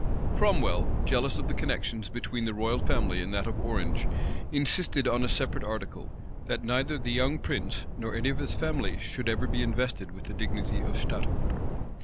Cromwell, jealous of the connections between the royal family and that of Orange, insisted on a separate article; that neither the young prince nor any of his family should ever be invested with the dignity of stadtholder.